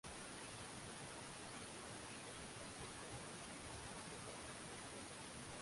huo Viongozi wamesema ni nini Mbali na Rais wa ufaransa